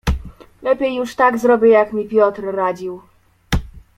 "Lepiej już tak zrobię, jak mi Piotr radził."